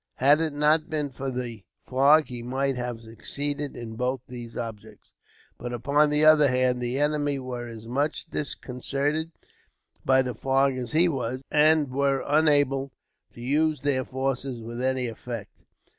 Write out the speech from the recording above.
Had it not been for the fog he might have succeeded in both these objects; but, upon the other hand, the enemy were as much disconcerted by the fog as he was, and were unable to use their forces with any effect.